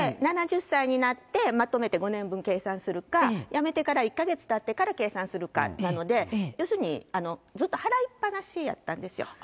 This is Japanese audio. ７０歳になって、まとめて５年分計算するか、辞めてから１か月たってから計算するかなので、要するに、ずっと払いっぱなしやったんですよ。